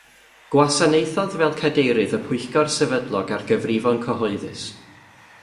Gwasanaethodd fel cadeirydd y Pwyllgor Sefydlog ar Gyfrifon Cyhoeddus.